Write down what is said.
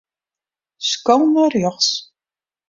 Sko nei rjochts.